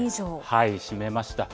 占めました。